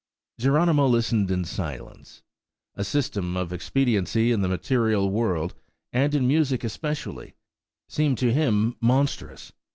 Geronimo listened in silence. A system of expediency in the material world, and in music especially, seemed to him monstrous.